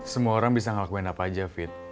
semua orang bisa ngelakuin apa aja fit